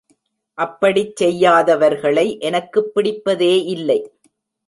அப்படிச் செய்யாதவர்களை எனக்குப் பிடிப்பதே இல்லை.